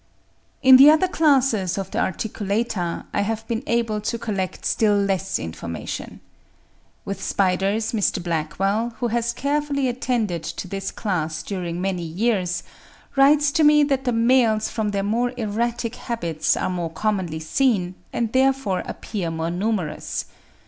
In the other classes of the Articulata I have been able to collect still less information. With spiders, Mr. Blackwall, who has carefully attended to this class during many years, writes to me that the males from their more erratic habits are more commonly seen, and therefore appear more numerous.